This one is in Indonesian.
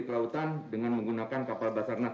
kelautan dengan menggunakan kapal basarnas